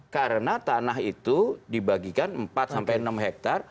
karena tanah itu dibagikan empat sampai enam hektare